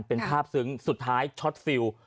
เป็นภาพซึ้งสุดท้ายช็อตฟิล